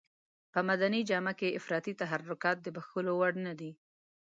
په مدني جامه کې افراطي تحرکات د بښلو وړ نه دي.